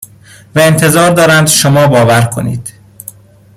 و انتظار دارند شما باور کنید!